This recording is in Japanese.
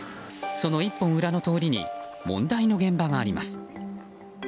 その一本裏の通りに問題の現場があります。